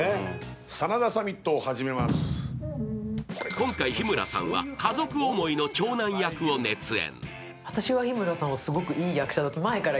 今回、日村さんは家族思いの長男役を熱演。